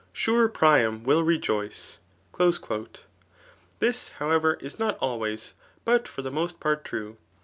Sure Priam will rejoice.* This, however, is not always, but for the most part true.